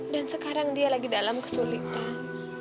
dan sekarang dia lagi dalam kesulitan